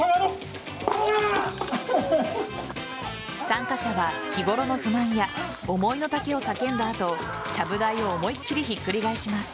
参加者は日ごろの不満や思いの丈を叫んだ後ちゃぶ台を思いっきり引っくり返します。